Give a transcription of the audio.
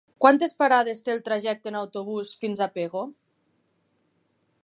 Quantes parades té el trajecte en autobús fins a Pego?